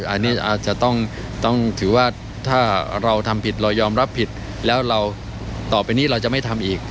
อันนี้อาจจะต้องถือว่าถ้าเราทำผิดเรายอมรับผิดแล้วเราต่อไปนี้เราจะไม่ทำอีก